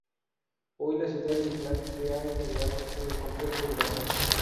Hoy la Ciudad Lineal se ha integrado en el complejo urbano.